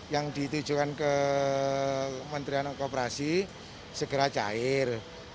yang ditujukan ke kementerian kooperasi segera cair